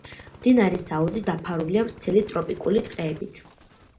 მდინარის აუზი დაფარულია ვრცელი ტროპიკული ტყეებით.